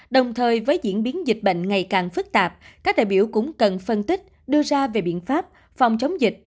đồng thời với diễn biến dịch bệnh ngày càng phức tạp các đại biểu cũng cần phân tích đưa ra về biện pháp phòng chống dịch